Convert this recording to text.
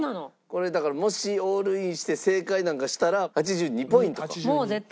これだからもしオールインして正解なんかしたら８２ポイントか。